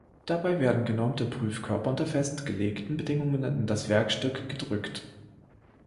Dabei werden genormte Prüfkörper unter festgelegten Bedingungen in das Werkstück gedrückt.